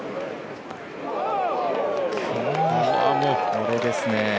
これですね。